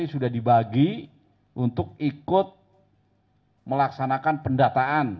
sudah dibagi untuk ikut melaksanakan pendataan